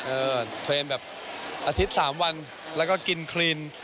เทรนด์แบบอาทิตย์๓วันแล้วก็กินคลีน